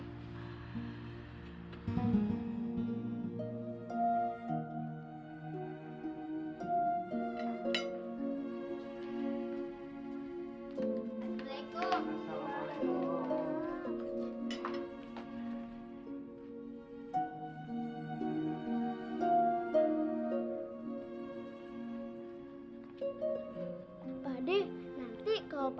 syukur alhamdulillah kalau gitu